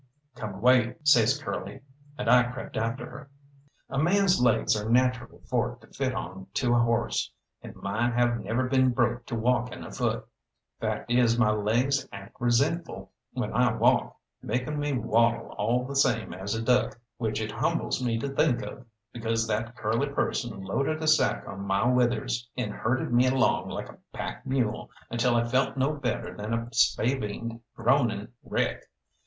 "Come away," says Curly; and I crept after her. A man's legs are naturally forked to fit onto a horse, and mine have never been broke to walking afoot. Fact is my legs act resentful when I walk, making me waddle all the same as a duck; which it humbles me to think of, because that Curly person loaded a sack on my withers, and herded me along like a pack mule until I felt no better than a spavined, groaning wreck.